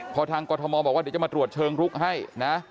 พอทางกรทมบอกว่าเดี๋ยวจะมาตรวจเชิงลุกให้นะ